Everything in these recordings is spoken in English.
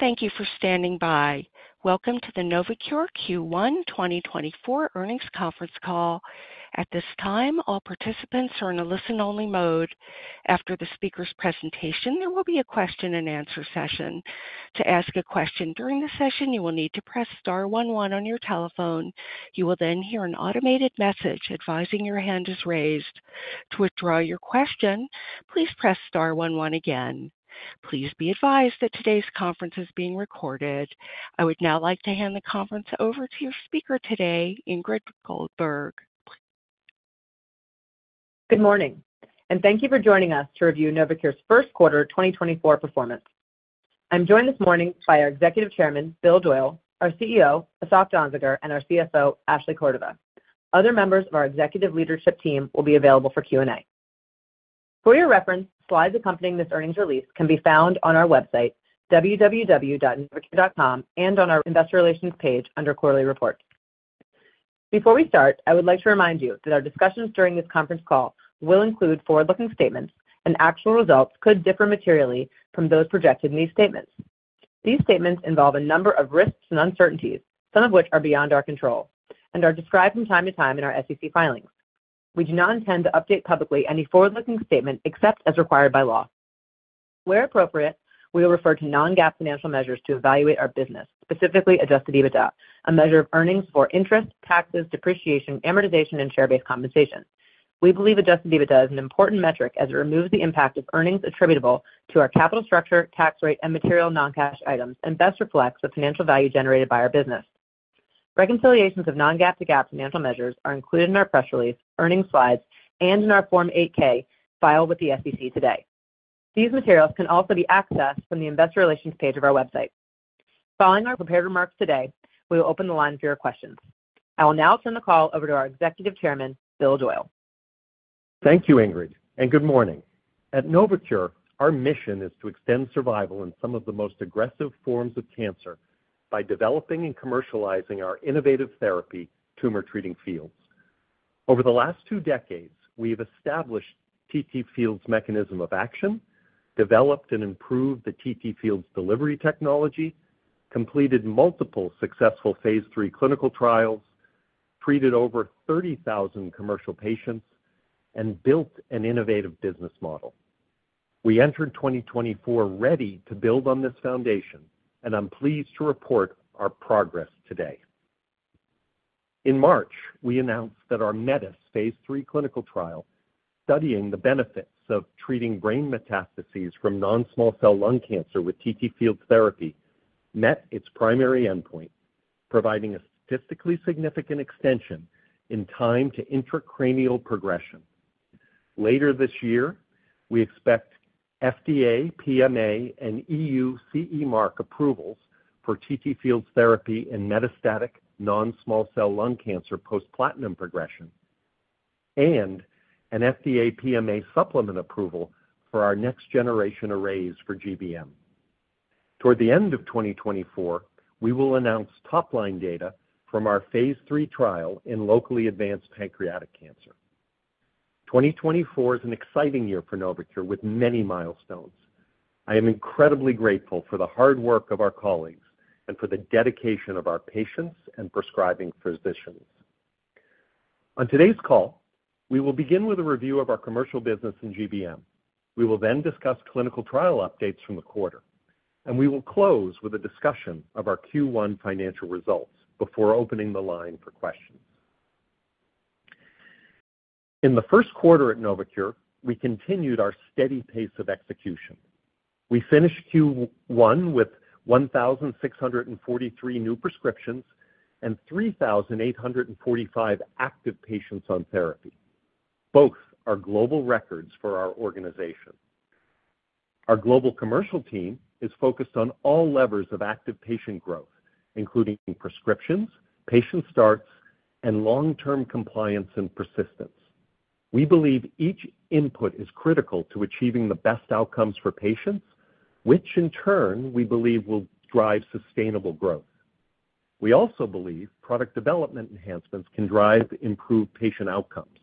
Thank you for standing by. Welcome to the Novocure Q1 2024 Earnings Conference Call. At this time, all participants are in a listen-only mode. After the speaker's presentation, there will be a question-and-answer session. To ask a question during the session, you will need to press star one one on your telephone. You will then hear an automated message advising your hand is raised. To withdraw your question, please press star one one again. Please be advised that today's conference is being recorded. I would now like to hand the conference over to your speaker today, Ingrid Goldberg. Good morning, and thank you for joining us to review Novocure's first quarter 2024 performance. I'm joined this morning by our Executive Chairman, Bill Doyle, our CEO, Asaf Danziger, and our CFO, Ashley Cordova. Other members of our executive leadership team will be available for Q&A. For your reference, slides accompanying this earnings release can be found on our website, www.novocure.com, and on our Investor Relations page under Quarterly Report. Before we start, I would like to remind you that our discussions during this conference call will include forward-looking statements, and actual results could differ materially from those projected in these statements. These statements involve a number of risks and uncertainties, some of which are beyond our control, and are described from time to time in our SEC filings. We do not intend to update publicly any forward-looking statement except as required by law. Where appropriate, we will refer to non-GAAP financial measures to evaluate our business, specifically adjusted EBITDA, a measure of earnings for interest, taxes, depreciation, amortization, and share-based compensation. We believe adjusted EBITDA is an important metric as it removes the impact of earnings attributable to our capital structure, tax rate, and material non-cash items, and best reflects the financial value generated by our business. Reconciliations of non-GAAP to GAAP financial measures are included in our press release, earnings slides, and in our Form 8-K filed with the SEC today. These materials can also be accessed from the Investor Relations page of our website. Following our prepared remarks today, we will open the line for your questions. I will now turn the call over to our Executive Chairman, Bill Doyle. Thank you, Ingrid, and good morning. At Novocure, our mission is to extend survival in some of the most aggressive forms of cancer by developing and commercializing our innovative therapy, Tumor Treating Fields. Over the last two decades, we have established TTFields mechanism of action, developed and improved the TTFields delivery technology, completed multiple successful phase III clinical trials, treated over 30,000 commercial patients, and built an innovative business model. We entered 2024 ready to build on this foundation, and I'm pleased to report our progress today. In March, we announced that our METIS phase III clinical trial, studying the benefits of treating brain metastases from non-small cell lung cancer with TTFields therapy, met its primary endpoint, providing a statistically significant extension in time to intracranial progression. Later this year, we expect FDA, PMA, and EU CE mark approvals for TTFields therapy in metastatic non-small cell lung cancer post-platinum progression, and an FDA PMA supplement approval for our next generation arrays for GBM. Toward the end of 2024, we will announce top-line data from our phase III trial in locally advanced pancreatic cancer. 2024 is an exciting year for Novocure, with many milestones. I am incredibly grateful for the hard work of our colleagues and for the dedication of our patients and prescribing physicians. On today's call, we will begin with a review of our commercial business in GBM. We will then discuss clinical trial updates from the quarter, and we will close with a discussion of our Q1 financial results before opening the line for questions. In the first quarter at Novocure, we continued our steady pace of execution. We finished Q1 with 1,643 new prescriptions and 3,845 active patients on therapy. Both are global records for our organization. Our global commercial team is focused on all levers of active patient growth, including prescriptions, patient starts, and long-term compliance and persistence. We believe each input is critical to achieving the best outcomes for patients, which in turn, we believe will drive sustainable growth. We also believe product development enhancements can drive improved patient outcomes.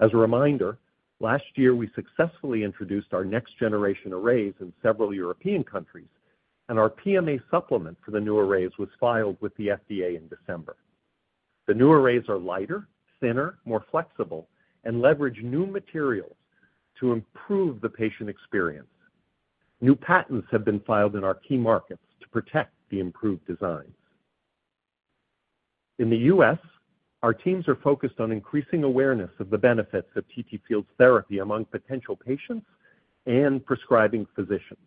As a reminder, last year, we successfully introduced our next generation arrays in several European countries, and our PMA supplement for the new arrays was filed with the FDA in December. The new arrays are lighter, thinner, more flexible, and leverage new materials to improve the patient experience. New patents have been filed in our key markets to protect the improved designs. In the U.S., our teams are focused on increasing awareness of the benefits of TTFields therapy among potential patients and prescribing physicians.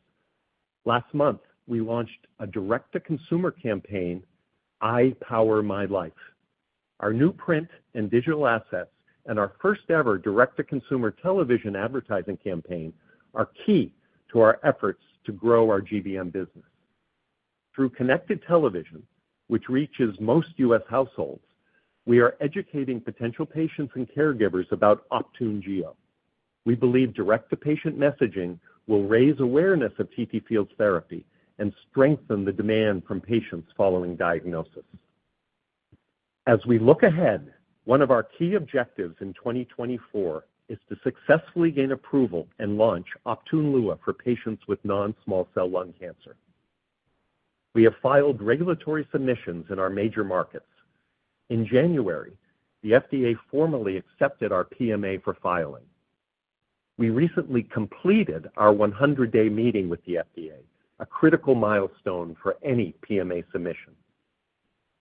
Last month, we launched a direct-to-consumer campaign, I Power My Life. Our new print and digital assets and our first-ever direct-to-consumer television advertising campaign are key to our efforts to grow our GBM business. Through connected television, which reaches most U.S. households, we are educating potential patients and caregivers about Optune Gio. We believe direct-to-patient messaging will raise awareness of TTFields therapy and strengthen the demand from patients following diagnosis. As we look ahead, one of our key objectives in 2024 is to successfully gain approval and launch Optune Lua for patients with non-small cell lung cancer. We have filed regulatory submissions in our major markets. In January, the FDA formally accepted our PMA for filing. We recently completed our 100-day meeting with the FDA, a critical milestone for any PMA submission.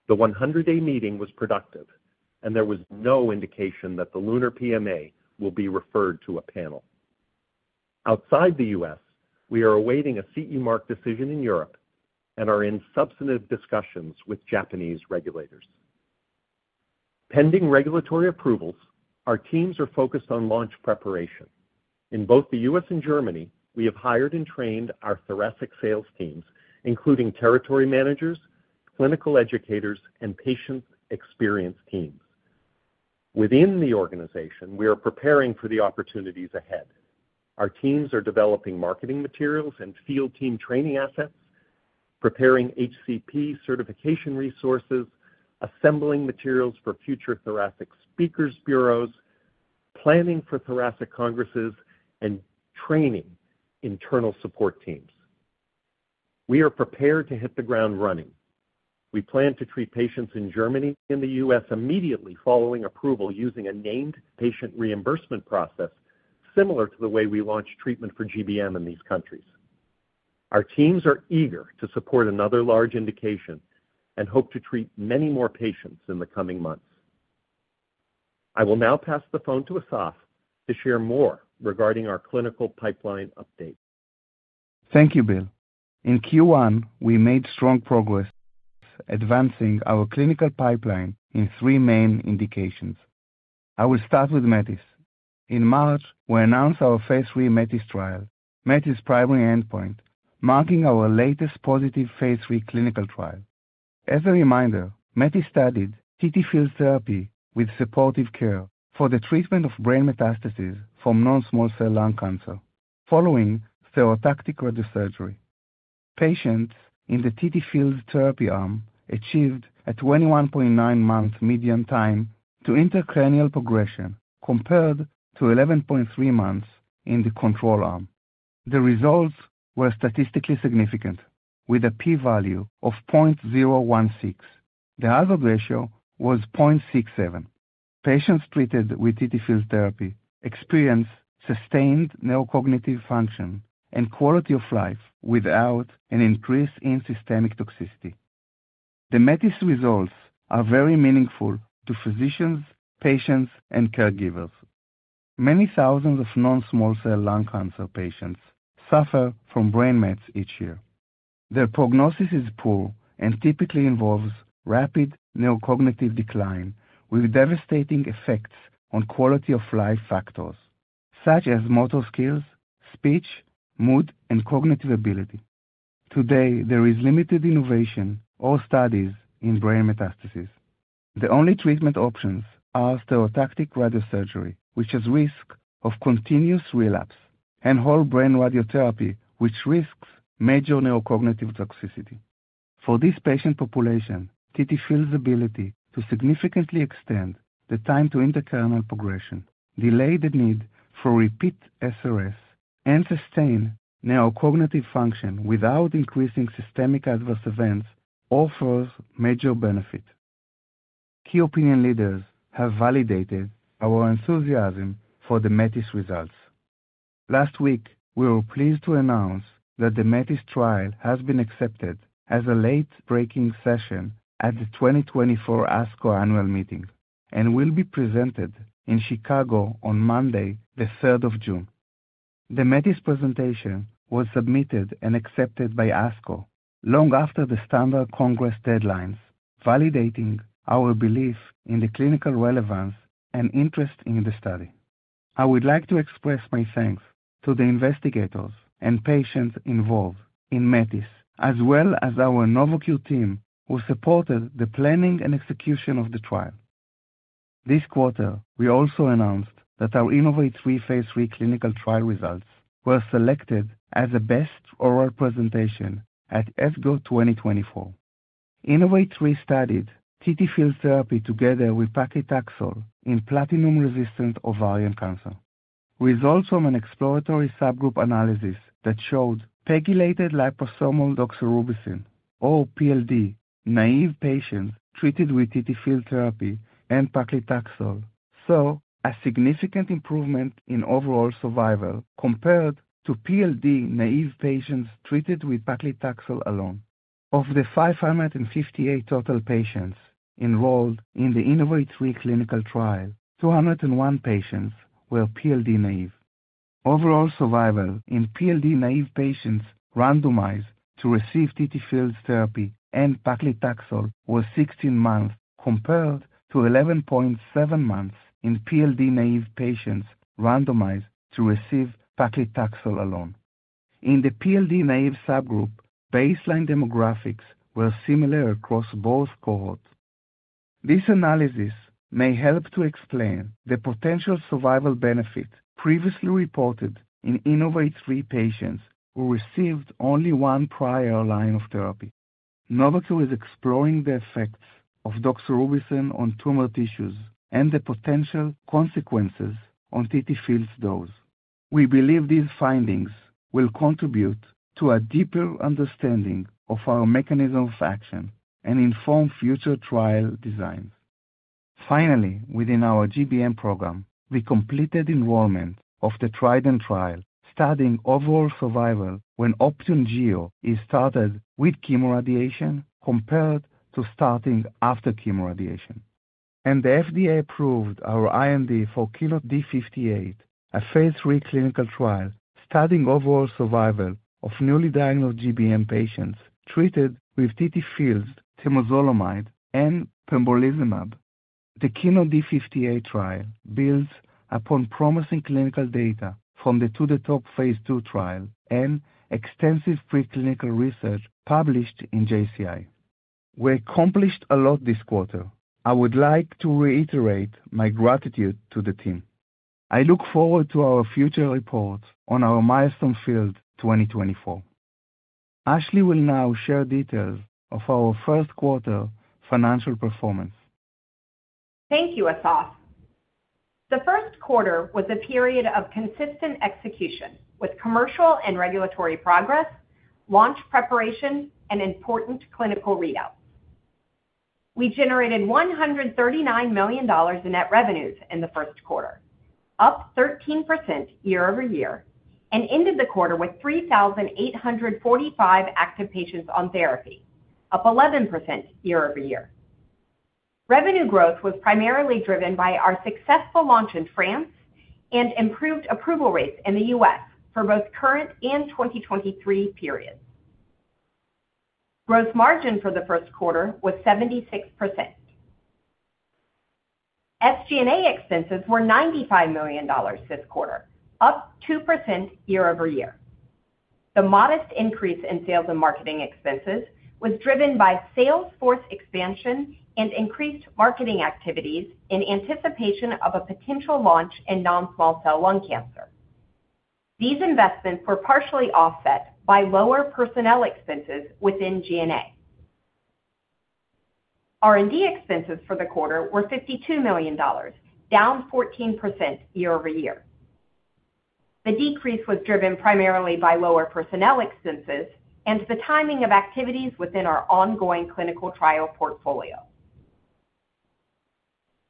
The 100-day meeting was productive, and there was no indication that the LUNAR PMA will be referred to a panel. Outside the U.S., we are awaiting a CE mark decision in Europe and are in substantive discussions with Japanese regulators. Pending regulatory approvals, our teams are focused on launch preparation. In both the U.S. and Germany, we have hired and trained our thoracic sales teams, including territory managers, clinical educators, and patient experience teams. Within the organization, we are preparing for the opportunities ahead. Our teams are developing marketing materials and field team training assets, preparing HCP certification resources, assembling materials for future thoracic speakers bureaus, planning for thoracic congresses, and training internal support teams. We are prepared to hit the ground running. We plan to treat patients in Germany and the U.S. immediately following approval, using a named patient reimbursement process, similar to the way we launch treatment for GBM in these countries. Our teams are eager to support another large indication and hope to treat many more patients in the coming months. I will now pass the phone to Asaf to share more regarding our clinical pipeline update. Thank you, Bill. In Q1, we made strong progress advancing our clinical pipeline in three main indications. I will start with METIS. In March, we announced our phase III METIS trial. METIS primary endpoint, marking our latest positive phase III clinical trial. As a reminder, METIS studied TTFields therapy with supportive care for the treatment of brain metastases from non-small cell lung cancer, following stereotactic radiosurgery. Patients in the TTFields therapy arm achieved a 21.9-month median time to intracranial progression, compared to 11.3-months in the control arm. The results were statistically significant, with a p-value of 0.016. The hazard ratio was 0.67. Patients treated with TTFields therapy experienced sustained neurocognitive function and quality of life without an increase in systemic toxicity. The METIS results are very meaningful to physicians, patients, and caregivers. Many thousands of non-small cell lung cancer patients suffer from brain mets each year. Their prognosis is poor and typically involves rapid neurocognitive decline, with devastating effects on quality of life factors such as motor skills, speech, mood, and cognitive ability. Today, there is limited innovation or studies in brain metastases. The only treatment options are stereotactic radiosurgery, which has risk of continuous relapse, and whole brain radiotherapy, which risks major neurocognitive toxicity. For this patient population, TTFields' ability to significantly extend the time to intracranial progression, delay the need for repeat SRS, and sustain neurocognitive function without increasing systemic adverse events offers major benefit. Key opinion leaders have validated our enthusiasm for the METIS results. Last week, we were pleased to announce that the METIS trial has been accepted as a late breaking session at the 2024 ASCO annual meeting and will be presented in Chicago on Monday, the third of June. The METIS presentation was submitted and accepted by ASCO long after the standard congress deadlines, validating our belief in the clinical relevance and interest in the study. I would like to express my thanks to the investigators and patients involved in METIS, as well as our Novocure team, who supported the planning and execution of the trial. This quarter, we also announced that our INOVATE-3 phase III clinical trial results were selected as the Best Oral Presentation at ESGO 2024. INOVATE-3 studied TTFields therapy together with paclitaxel in platinum-resistant ovarian cancer. Results from an exploratory subgroup analysis that showed pegylated liposomal doxorubicin or PLD-naive patients treated with TTFields therapy and paclitaxel saw a significant improvement in overall survival compared to PLD-naive patients treated with paclitaxel alone. Of the 558 total patients enrolled in the INOVATE-3 clinical trial, 201 patients were PLD-naive. Overall survival in PLD-naive patients randomized to receive TTFields therapy and paclitaxel was 16 months, compared to 11.7-months in PLD-naive patients randomized to receive paclitaxel alone. In the PLD-naive subgroup, baseline demographics were similar across both cohorts. This analysis may help to explain the potential survival benefit previously reported in INOVATE-3 patients who received only one prior line of therapy. Novocure is exploring the effects of doxorubicin on tumor tissues and the potential consequences on TTFields dose. We believe these findings will contribute to a deeper understanding of our mechanism of action and inform future trial designs. Finally, within our GBM program, we completed enrollment of the TRIDENT trial, studying overall survival when Optune Gio is started with chemoradiation compared to starting after chemoradiation. The FDA approved our IND for KEYNOTE-D58, a phase III clinical trial studying overall survival of newly diagnosed GBM patients treated with TTFields, temozolomide, and pembrolizumab. The KEYNOTE-D58 trial builds upon promising clinical data from the 2-THE-TOP phase II trial and extensive preclinical research published in JCI. We accomplished a lot this quarter. I would like to reiterate my gratitude to the team. I look forward to our future reports on our milestone-filled 2024. Ashley will now share details of our first quarter financial performance. Thank you, Asaf. The first quarter was a period of consistent execution, with commercial and regulatory progress, launch preparation, and important clinical readouts. We generated $139 million in net revenues in the first quarter, up 13% year-over-year, and ended the quarter with 3,845 active patients on therapy, up 11% year-over-year. Revenue growth was primarily driven by our successful launch in France and improved approval rates in the U.S. for both current and 2023 periods. Gross margin for the first quarter was 76%. SG&A expenses were $95 million this quarter, up 2% year-over-year. The modest increase in sales and marketing expenses was driven by sales force expansion and increased marketing activities in anticipation of a potential launch in non-small cell lung cancer. These investments were partially offset by lower personnel expenses within G&A. R&D expenses for the quarter were $52 million, down 14% year-over-year. The decrease was driven primarily by lower personnel expenses and the timing of activities within our ongoing clinical trial portfolio.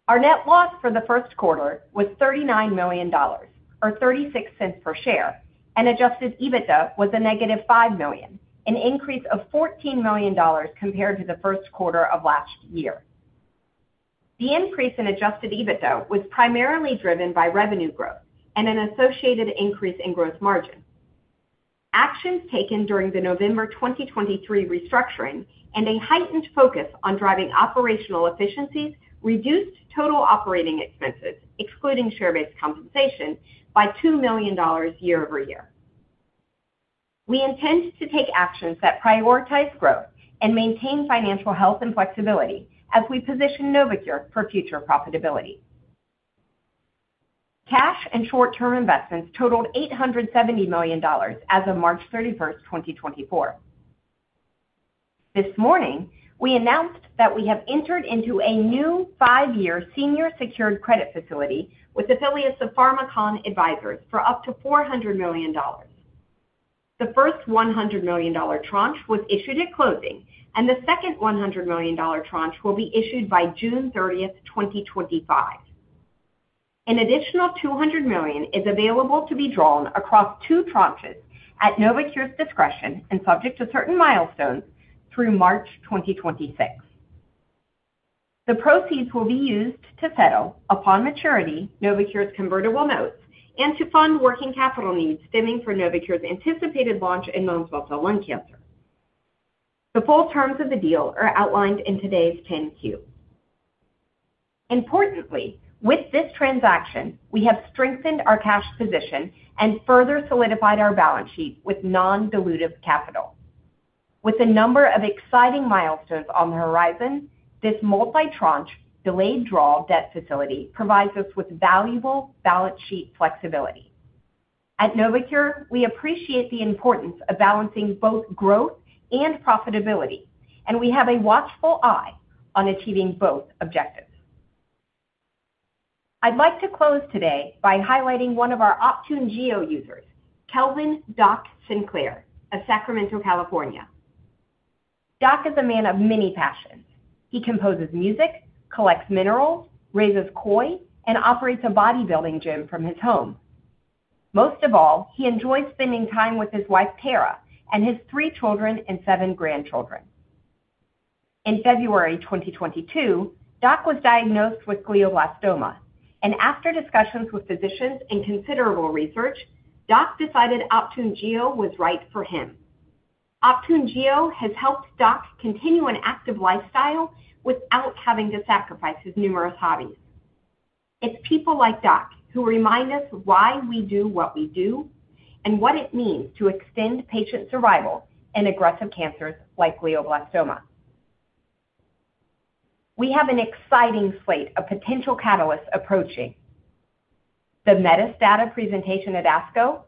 Our net loss for the first quarter was $39 million, or $0.36 per share, and Adjusted EBITDA was -$5 million, an increase of $14 million compared to the first quarter of last year. The increase in Adjusted EBITDA was primarily driven by revenue growth and an associated increase in gross margin. Actions taken during the November 2023 restructuring and a heightened focus on driving operational efficiencies reduced total operating expenses, excluding share-based compensation, by $2 million year-over-year. We intend to take actions that prioritize growth and maintain financial health and flexibility as we position Novocure for future profitability. Cash and short-term investments totaled $870 million as of March 31st, 2024. This morning, we announced that we have entered into a new 5-year senior secured credit facility with affiliates of Pharmakon Advisors for up to $400 million. The first $100 million tranche was issued at closing, and the second $100 million tranche will be issued by June 30th, 2025. An additional $200 million is available to be drawn across two tranches at Novocure's discretion and subject to certain milestones through March 2026. The proceeds will be used to settle upon maturity Novocure's convertible notes and to fund working capital needs stemming from Novocure's anticipated launch in non-small cell lung cancer. The full terms of the deal are outlined in today's 10-Q. Importantly, with this transaction, we have strengthened our cash position and further solidified our balance sheet with non-dilutive capital. With a number of exciting milestones on the horizon, this multi-tranche delayed draw debt facility provides us with valuable balance sheet flexibility. At Novocure, we appreciate the importance of balancing both growth and profitability, and we have a watchful eye on achieving both objectives. I'd like to close today by highlighting one of our Optune Gio users, Kelvin "Doc" Sinclair of Sacramento, California. Doc is a man of many passions. He composes music, collects minerals, raises koi, and operates a bodybuilding gym from his home. Most of all, he enjoys spending time with his wife, Tara, and his three children and seven grandchildren. In February 2022, Doc was diagnosed with glioblastoma, and after discussions with physicians and considerable research, Doc decided Optune Gio was right for him. Optune Gio has helped Doc continue an active lifestyle without having to sacrifice his numerous hobbies. It's people like Doc who remind us why we do what we do and what it means to extend patient survival in aggressive cancers like glioblastoma. We have an exciting slate of potential catalysts approaching. The METIS data presentation at ASCO,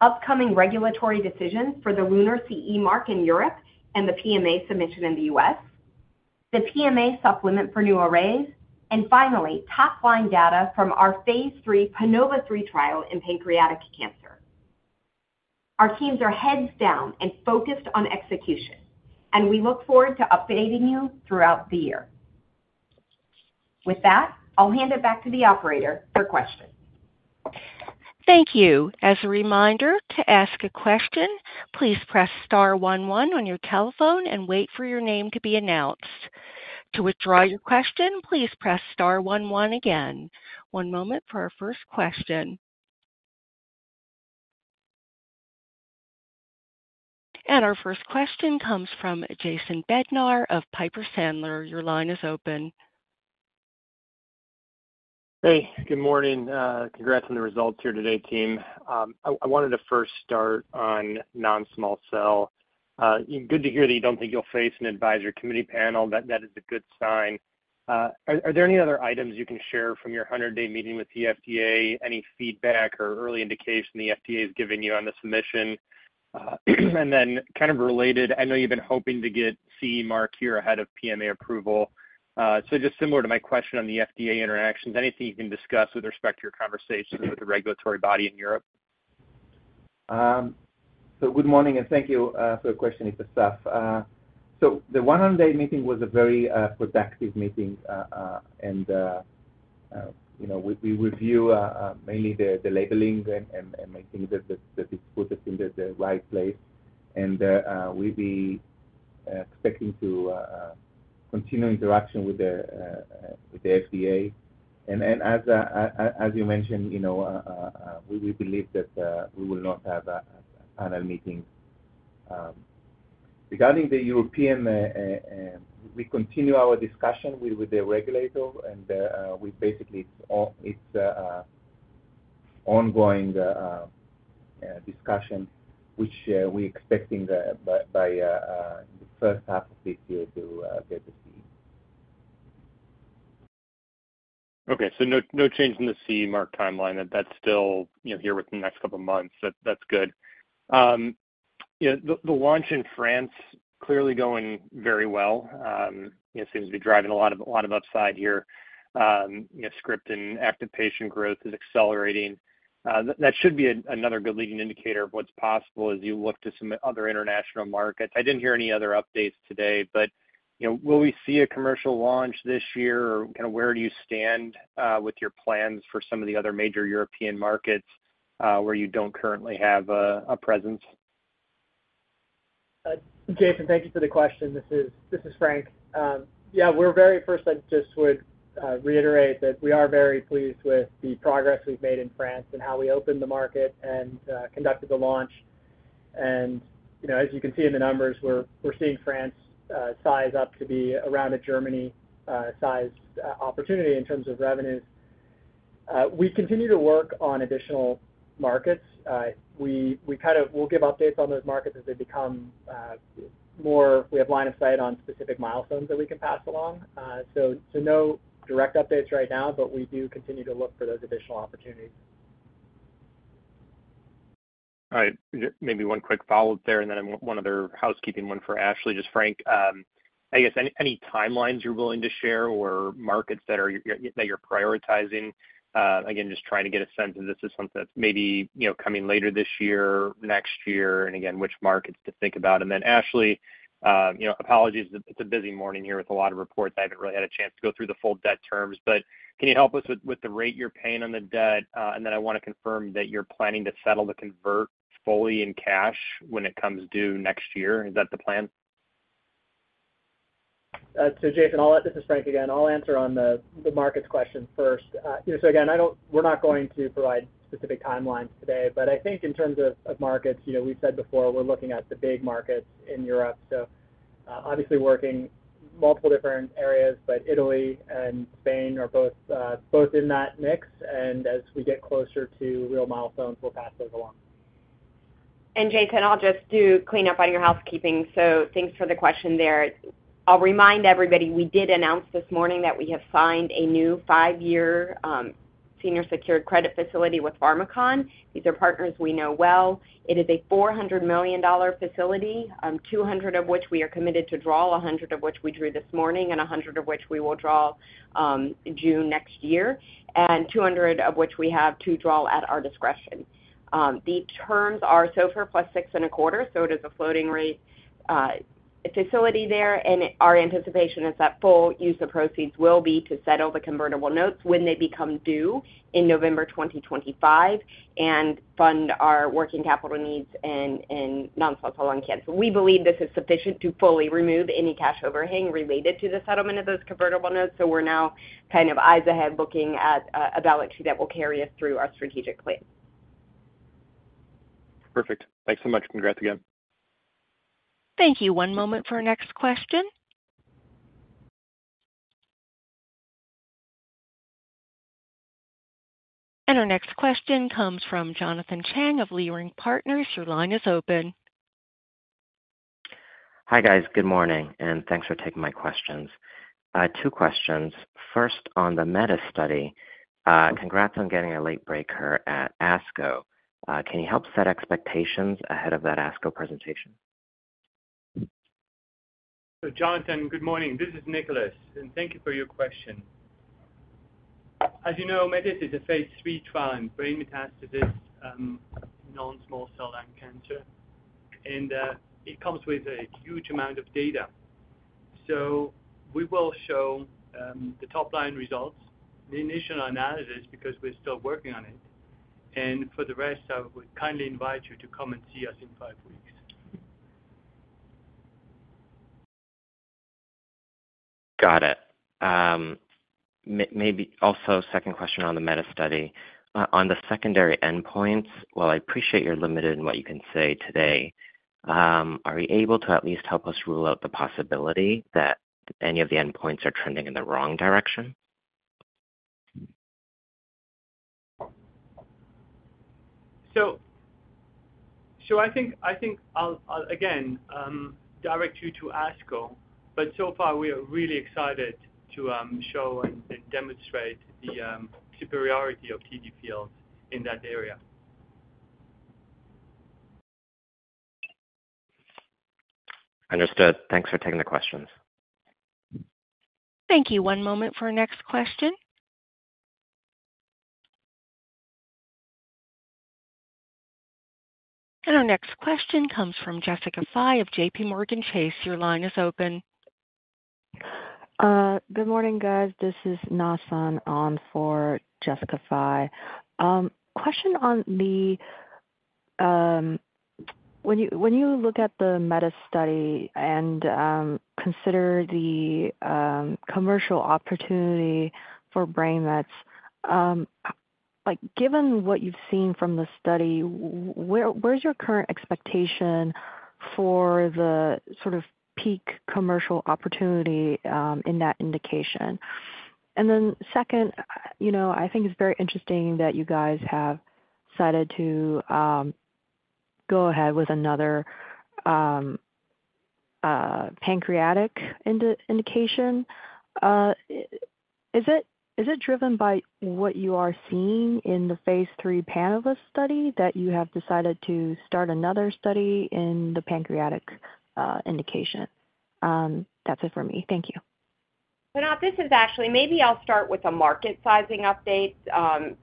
upcoming regulatory decisions for the LUNAR CE mark in Europe, and the PMA submission in the US, the PMA supplement for new arrays, and finally, top-line data from our phase III PANOVA-3 trial in pancreatic cancer. Our teams are heads down and focused on execution, and we look forward to updating you throughout the year. With that, I'll hand it back to the operator for questions. Thank you. As a reminder, to ask a question, please press star one one on your telephone and wait for your name to be announced. To withdraw your question, please press star one one again. One moment for our first question. Our first question comes from Jason Bednar of Piper Sandler. Your line is open. Hey, good morning. Congrats on the results here today, team. I wanted to first start on non-small cell. Good to hear that you don't think you'll face an advisory committee panel. That is a good sign. Are there any other items you can share from your 100-day meeting with the FDA? Any feedback or early indication the FDA has given you on the submission? And then kind of related, I know you've been hoping to get CE mark here ahead of PMA approval. So just similar to my question on the FDA interactions, anything you can discuss with respect to your conversations with the regulatory body in Europe? So good morning, and thank you for the question, it's Asaf. So the one-on-one meeting was a very productive meeting. And you know, we review mainly the labeling and making sure that it's put in the right place. And we're expecting to continue interaction with the FDA. And then as you mentioned, you know, we do believe that we will not have a panel meeting. Regarding the European, we continue our discussion with the regulator, and we basically it's all—it's ongoing discussion, which we're expecting by the first half of this year to get to see. Okay, so no change in the CE mark timeline. That's still, you know, here within the next couple of months. That's good. Yeah, the launch in France clearly going very well. It seems to be driving a lot of upside here. You know, script and active patient growth is accelerating. That should be another good leading indicator of what's possible as you look to some other international markets. I didn't hear any other updates today, but, you know, will we see a commercial launch this year? Or kind of where do you stand with your plans for some of the other major European markets where you don't currently have a presence? Jason, thank you for the question. This is Frank. Yeah, we're very first, I just would reiterate that we are very pleased with the progress we've made in France and how we opened the market and conducted the launch. You know, as you can see in the numbers, we're seeing France size up to be around a Germany-sized opportunity in terms of revenues. We continue to work on additional markets. We kind of will give updates on those markets as they become we have line of sight on specific milestones that we can pass along. So, no direct updates right now, but we do continue to look for those additional opportunities. All right. Maybe one quick follow-up there, and then one other housekeeping one for Ashley. Just Frank, I guess any timelines you're willing to share or markets that you're prioritizing? Again, just trying to get a sense of this is something that's maybe, you know, coming later this year, next year, and again, which markets to think about. And then, Ashley, you know, apologies, it's a busy morning here with a lot of reports. I haven't really had a chance to go through the full debt terms, but can you help us with the rate you're paying on the debt? And then I wanna confirm that you're planning to settle the convert fully in cash when it comes due next year. Is that the plan? So, Jason, this is Frank again. I'll answer on the markets question first. So again, we're not going to provide specific timelines today, but I think in terms of markets, you know, we've said before, we're looking at the big markets in Europe, so obviously working multiple different areas, but Italy and Spain are both in that mix, and as we get closer to real milestones, we'll pass those along. Jason, I'll just do clean up on your housekeeping, so thanks for the question there. I'll remind everybody, we did announce this morning that we have signed a new 5-year senior secured credit facility with Pharmakon. These are partners we know well. It is a $400 million facility, 200 of which we are committed to draw, 100 of which we drew this morning, and 100 of which we will draw in June next year, and 200 of which we have to draw at our discretion. The terms are SOFR plus 6.25, so it is a floating rate facility there, and our anticipation is that full use of proceeds will be to settle the convertible notes when they become due in November 2025, and fund our working capital needs in non-small cell lung cancer. We believe this is sufficient to fully remove any cash overhang related to the settlement of those convertible notes, so we're now kind of eyes ahead, looking at a balance sheet that will carry us through our strategic plan. Perfect. Thanks so much. Congrats again. Thank you. One moment for our next question. And our next question comes from Jonathan Chang of Leerink Partners. Your line is open. Hi, guys. Good morning, and thanks for taking my questions. Two questions. First, on the METIS study, congrats on getting a late breaker at ASCO. Can you help set expectations ahead of that ASCO presentation? So Jonathan, good morning. This is Nicolas, and thank you for your question. As you know, METIS is a phase III trial in brain metastases, non-small cell lung cancer, and it comes with a huge amount of data. So we will show the top line results, the initial analysis, because we're still working on it. And for the rest, I would kindly invite you to come and see us in five weeks. Got it. Maybe also second question on the METIS study. On the secondary endpoints, while I appreciate you're limited in what you can say today, are you able to at least help us rule out the possibility that any of the endpoints are trending in the wrong direction? So I think I'll again direct you to ASCO, but so far we are really excited to show and demonstrate the superiority of TTFields in that area. Understood. Thanks for taking the questions. Thank you. One moment for our next question. Our next question comes from Jessica Fye of J.P. Morgan Chase. Your line is open. Good morning, guys. This is Na Sun on for Jessica Fye. Question on the, when you look at the METIS study and, consider the, commercial opportunity for brain mets, like, given what you've seen from the study, where, where's your current expectation for the sort of peak commercial opportunity, in that indication? And then second, you know, I think it's very interesting that you guys have decided to, go ahead with another, uh, pancreatic indication. Is it, is it driven by what you are seeing in the phase III PANOVA study, that you have decided to start another study in the pancreatic, uh, indication? That's it for me. Thank you. So now, this is Ashley. Maybe I'll start with the market sizing update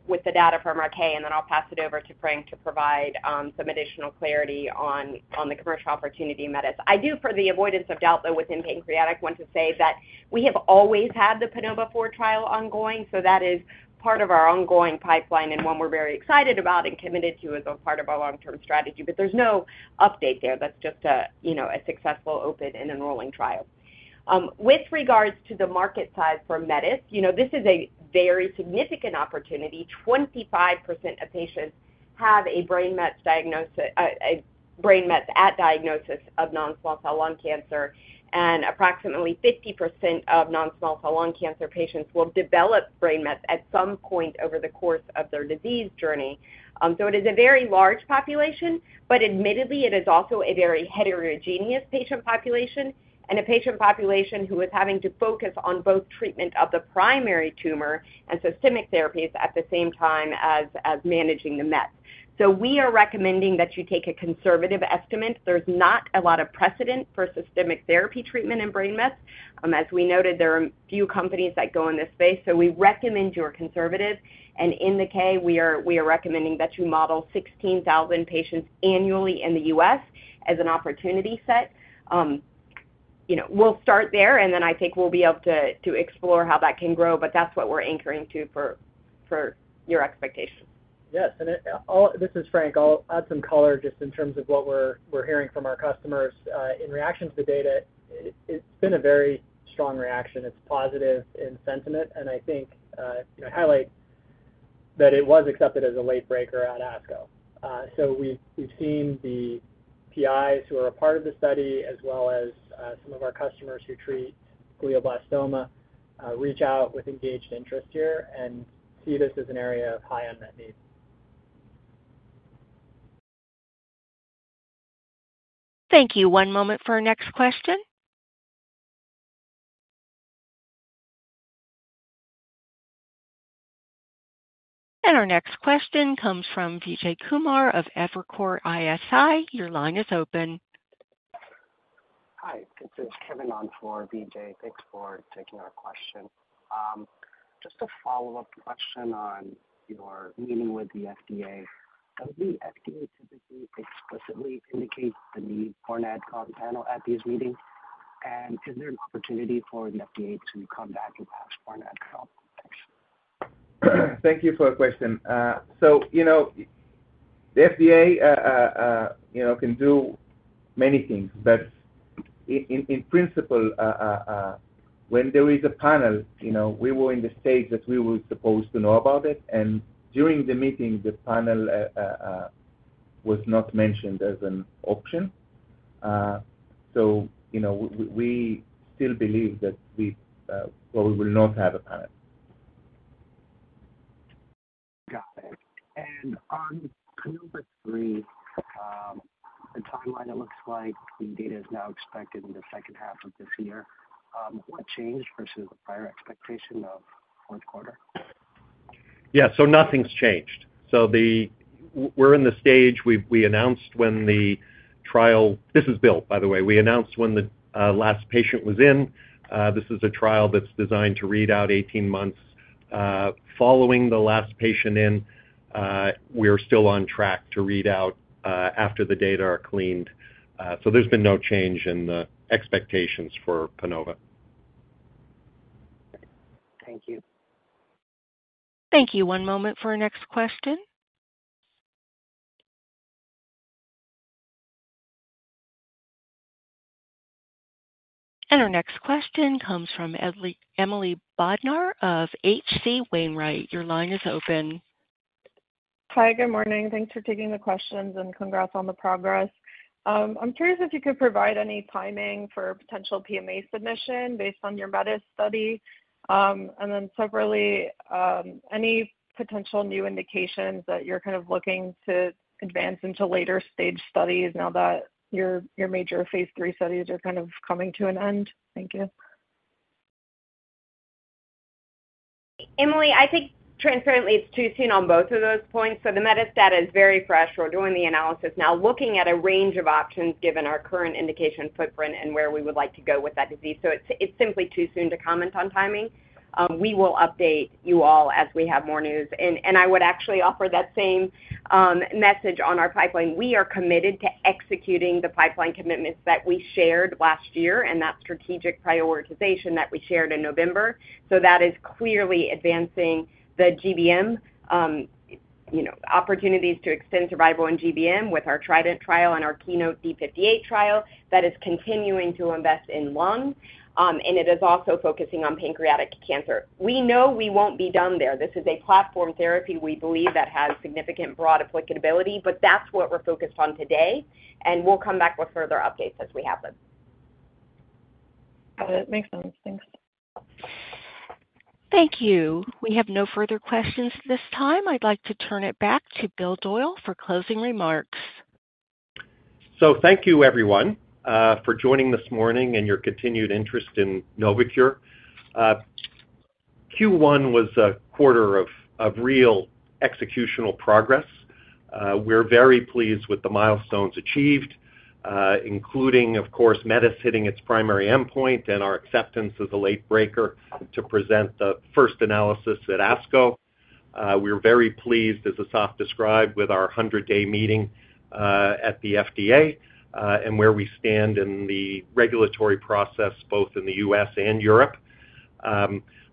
with the data from IQVIA, and then I'll pass it over to Frank to provide some additional clarity on the commercial opportunity in METIS. I do, for the avoidance of doubt, though, within pancreatic, want to say that we have always had the PANOVA-4 trial ongoing, so that is part of our ongoing pipeline and one we're very excited about and committed to as a part of our long-term strategy, but there's no update there. That's just a, you know, a successful, open and enrolling trial. With regards to the market size for METIS, you know, this is a very significant opportunity. 25% of patients have a brain mets diagnosis, a brain mets at diagnosis of non-small cell lung cancer, and approximately 50% of non-small cell lung cancer patients will develop brain mets at some point over the course of their disease journey. So it is a very large population, but admittedly, it is also a very heterogeneous patient population and a patient population who is having to focus on both treatment of the primary tumor and systemic therapies at the same time as managing the mets. So we are recommending that you take a conservative estimate. There's not a lot of precedent for systemic therapy treatment in brain mets. As we noted, there are few companies that go in this space, so we recommend you are conservative. In the K, we are, we are recommending that you model 16,000 patients annually in the US as an opportunity set. You know, we'll start there, and then I think we'll be able to, to explore how that can grow, but that's what we're anchoring to for, for your expectations. Yes, and all... This is Frank. I'll add some color just in terms of what we're hearing from our customers in reaction to the data. It's been a very strong reaction. It's positive in sentiment, and I think, you know, highlight that it was accepted as a late breaker at ASCO. So we've seen the PIs who are a part of the study, as well as some of our customers who treat glioblastoma, reach out with engaged interest here and see this as an area of high unmet need. Thank you. One moment for our next question. Our next question comes from Vijay Kumar of Evercore ISI. Your line is open. Hi, this is Kevin on for Vijay. Thanks for taking our question. Just a follow-up question on your meeting with the FDA. Does the FDA typically explicitly indicate the need for an ad hoc panel at these meetings? Is there an opportunity for the FDA to come back and ask for an ad hoc? Thanks. Thank you for the question. So, you know, the FDA, you know, can do many things, but in principle, when there is a panel, you know, we were in the stage that we were supposed to know about it, and during the meeting, the panel was not mentioned as an option. So, you know, we, we, we still believe that we, well, we will not have a panel. Got it. On PANOVA-3, the timeline, it looks like the data is now expected in the second half of this year. What changed versus the prior expectation of fourth quarter? Yeah, so nothing's changed. We're in the stage we announced when the trial. This is Bill, by the way. We announced when the last patient was in. This is a trial that's designed to read out 18 months following the last patient in. We are still on track to read out after the data are cleaned. So there's been no change in the expectations for PANOVA. Thank you. Thank you. One moment for our next question. Our next question comes from Emily Bodnar of H.C. Wainwright. Your line is open. Hi, good morning. Thanks for taking the questions, and congrats on the progress. I'm curious if you could provide any timing for potential PMA submission based on your METIS study. Then separately, any potential new indications that you're kind of looking to advance into later stage studies now that your, your major phase three studies are kind of coming to an end? Thank you. Emily, I think transparently, it's too soon on both of those points. So the METIS data is very fresh. We're doing the analysis now, looking at a range of options given our current indication footprint and where we would like to go with that disease. So it's simply too soon to comment on timing. We will update you all as we have more news. And I would actually offer that same message on our pipeline. We are committed to executing the pipeline commitments that we shared last year and that strategic prioritization that we shared in November. So that is clearly advancing the GBM, you know, opportunities to extend survival in GBM with our TRIDENT trial and our KEYNOTE-D58 trial that is continuing to invest in lung, and it is also focusing on pancreatic cancer. We know we won't be done there. This is a platform therapy we believe that has significant broad applicability, but that's what we're focused on today, and we'll come back with further updates as we have them. That makes sense. Thanks. Thank you. We have no further questions at this time. I'd like to turn it back to Bill Doyle for closing remarks. So thank you, everyone, for joining this morning and your continued interest in Novocure. Q1 was a quarter of real executional progress. We're very pleased with the milestones achieved, including, of course, METIS hitting its primary endpoint and our acceptance as a late breaker to present the first analysis at ASCO. We're very pleased, as Asaf described, with our 100-day meeting at the FDA, and where we stand in the regulatory process, both in the U.S. and Europe.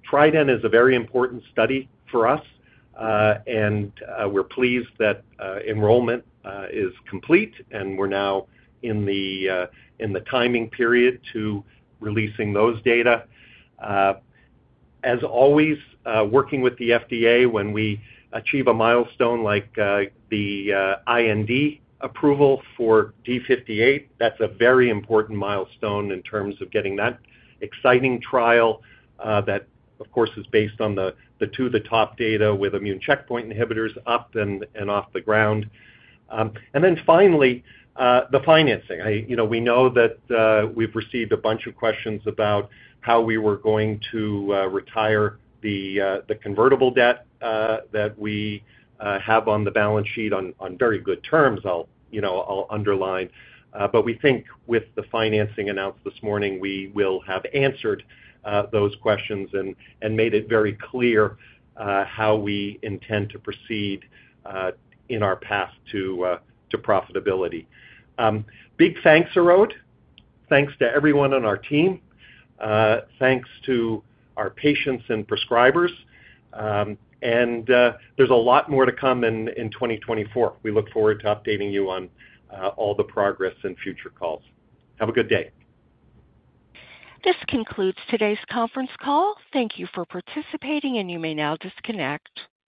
Trident is a very important study for us, and we're pleased that enrollment is complete, and we're now in the timing period to releasing those data. As always, working with the FDA, when we achieve a milestone like the IND approval for D58, that's a very important milestone in terms of getting that exciting trial that, of course, is based on the 2-THE-TOP data with immune checkpoint inhibitors up and off the ground. And then finally, the financing. You know, we know that we've received a bunch of questions about how we were going to retire the convertible debt that we have on the balance sheet on very good terms. I'll underline, but we think with the financing announced this morning, we will have answered those questions and made it very clear how we intend to proceed in our path to profitability. Big thanks, Asaf. Thanks to everyone on our team, thanks to our patients and prescribers, and there's a lot more to come in 2024. We look forward to updating you on all the progress in future calls. Have a good day. This concludes today's conference call. Thank you for participating, and you may now disconnect.